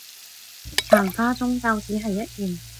曇花終究只係一現